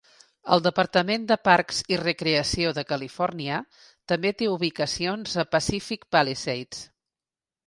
El Departament de parcs i recreació de Califòrnia també té ubicacions a Pacific Palisades.